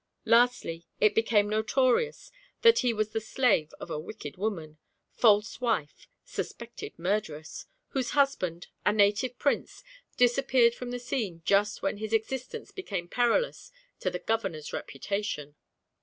Lastly it became notorious that he was the slave of a wicked woman, false wife, suspected murderess, whose husband, a native prince, disappeared from the scene just when his existence became perilous to the governor's reputation.